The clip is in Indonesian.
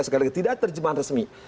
sekali lagi tidak terjemahan resmi